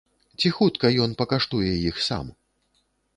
Ці хутка ён пакаштуе іх сам?